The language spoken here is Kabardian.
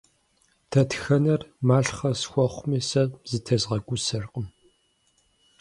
Дэтхэнэр малъхъэ схуэхъуми, сэ зытезгъэгусэркъым.